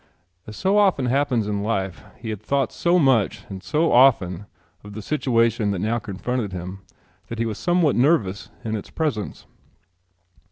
As so often happens in life he had thought so much and so often of the situation that now confronted him that he was somewhat nervous in its presence.